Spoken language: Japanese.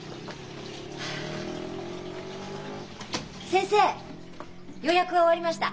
先生予約は終わりました。